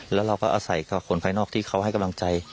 แล้วเราก็อาศัยกับคนภายนอกที่เขาให้กำลังใจ